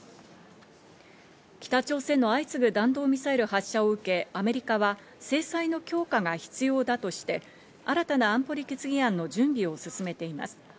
北朝鮮の相次ぐ弾道ミサイル発射を受け、アメリカは制裁の強化が必要だとして、新たな安保理決議案の準備を進めています。